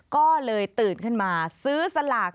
ก็เลยตื่นขึ้นมาซื้อสลาก